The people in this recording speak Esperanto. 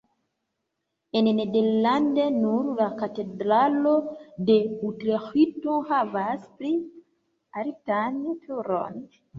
En Nederland nur la katedralo de Utreĥto havas pli altan turon.